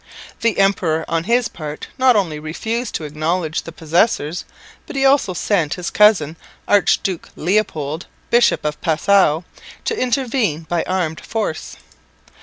The emperor on his part not only refused to acknowledge "the possessors," but he also sent his cousin Archduke Leopold, Bishop of Passau, to intervene by armed force.